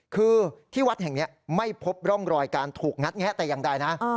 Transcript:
คือที่วัดแห่งนี้ไม่พบร่องรอยการถูกงัดแงะแต่อย่างใดนะ